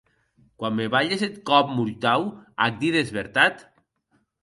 Quan me balhes eth còp mortau ac dides, vertat?